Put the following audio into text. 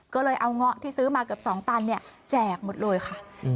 ก็เลยเอางะที่ซื้อมาเกือบสองตันเนี่ยแจกหมดเลยค่ะอืม